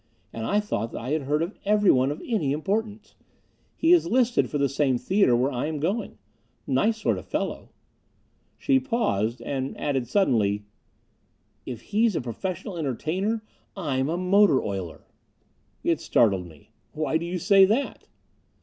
And I thought I had heard of everyone of any importance. He is listed for the same theater where I'm going. Nice sort of fellow." She paused, and added suddenly, "If he's a professional entertainer, I'm a motor oiler." It startled me. "Why do you say that?"